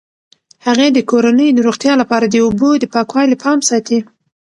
هغې د کورنۍ د روغتیا لپاره د اوبو د پاکوالي پام ساتي.